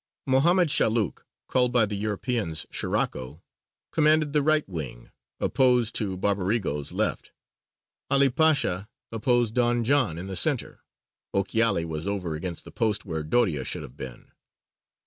Mohammed Shaluk (called by Europeans Scirocco) commanded the right wing, opposed to Barbarigo's left; 'Ali Pasha opposed Don John in the centre; Ochiali was over against the post where Doria should have been.